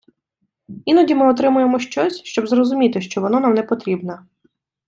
Іноді ми отримуємо щось, щоб зрозуміти, що воно нам не потрібне